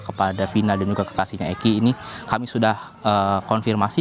kepada vina dan juga kekasihnya eki ini kami sudah konfirmasi